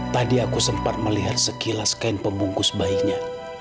tadi aku sempat melihat sekilas kain pembungkus bayinya